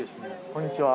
こんにちは。